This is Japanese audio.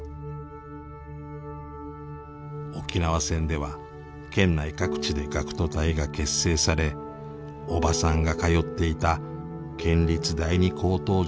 沖縄戦では県内各地で学徒隊が結成されおばさんが通っていた県立第二高等女学校の５６人は